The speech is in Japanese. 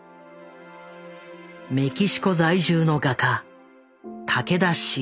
メキシコ在住の画家竹田鎮三郎。